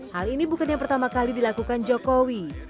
hal ini bukan yang pertama kali dilakukan jokowi